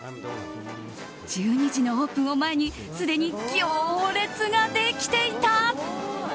１２時のオープンを前にすでに行列ができていた。